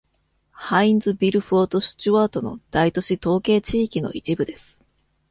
ハインズビルフォートスチュワートの大都市統計地域の一部です。